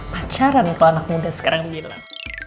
pacaran kalau anak muda sekarang bilang